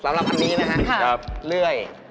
สำหรับอันนี้นะฮะเลื่อย